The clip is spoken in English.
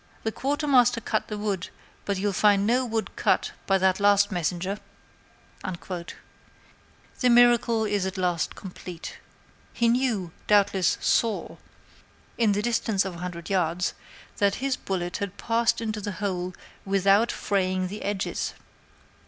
The Quartermaster cut the wood, but you'll find no wood cut by that last messenger." The miracle is at last complete. He knew doubtless saw at the distance of a hundred yards that his bullet had passed into the hole without fraying the edges.